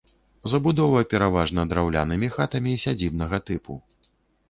Забудова пераважна драўлянымі хатамі сядзібнага тыпу.